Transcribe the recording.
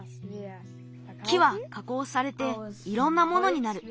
木はかこうされていろんなものになる。